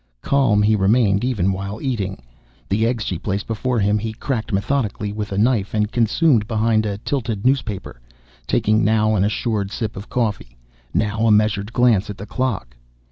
Calm he remained even while eating. The eggs she placed before him he cracked methodically with a knife and consumed behind a tilted newspaper, taking now an assured sip of coffee, now a measured glance at the clock.